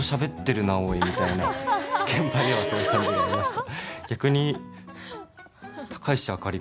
現場ではそういう感じがありました。